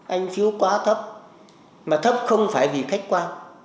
anh phiếu quá thấp mà thấp không phải vì khách quan